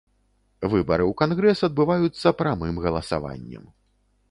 Выбары ў кангрэс адбываюцца прамым галасаваннем.